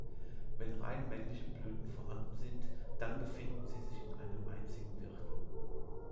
Wenn rein männliche Blüten vorhanden sind, dann befinden sie sich in einem einzigen Wirtel.